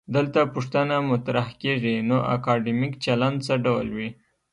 دلته پوښتنه مطرح کيږي: نو اکادمیک چلند څه ډول وي؟